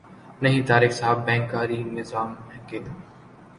نہیں طارق صاحب بینک کاری نظام کے